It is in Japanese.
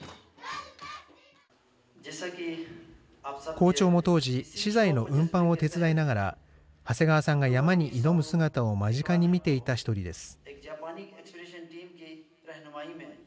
校長も当時資材の運搬を手伝いながら長谷川さんが山に挑む姿を間近に見ていた１人です。